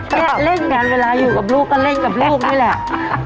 ก็เล่นกันเวลาอยู่กับลูกก็เล่นกับลูกนี่แหละ